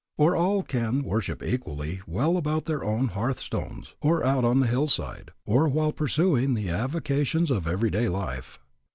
Or all can worship equally well about their own hearth stones, or out on the hillside, or while pursuing the avocations of every day life.